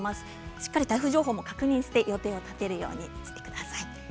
しっかり台風情報も確認して予定を立てるようにしてください。